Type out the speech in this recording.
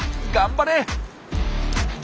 頑張れ！